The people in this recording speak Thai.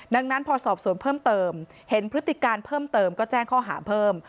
ดังนั้นพอสอบสวนเพิ่มเติมเห็นพฤติการเพิ่มเติมก็แจ้งข้อหาเพิ่ม